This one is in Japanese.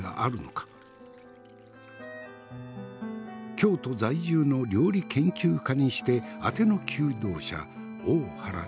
京都在住の料理研究家にしてあての求道者大原千鶴。